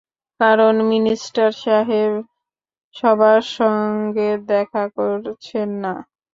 কারণ মিনিস্টার সাহেব সবার সঙ্গে দেখা করছেন না!